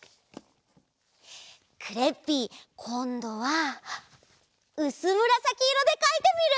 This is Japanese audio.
クレッピーこんどはうすむらさきいろでかいてみる！